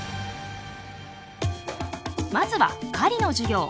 まずは狩りの授業。